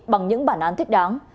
bằng những bản án thích đáng